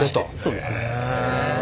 そうですね。